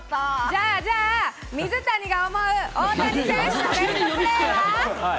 じゃあじゃあ、水谷が思う大谷選手のベストプレーは？